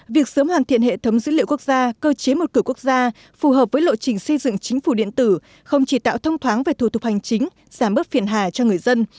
việc sớm hoàn thiện hệ thống dữ liệu quốc gia cơ chế một cửa quốc gia phù hợp với lộ trình xây dựng chính phủ điện tử không chỉ tạo thông thoáng về thủ tục hành chính giảm bớt phiền hà cho người dân